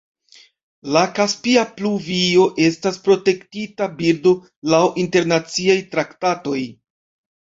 La kaspia pluvio estas protektita birdo laŭ internaciaj traktatoj.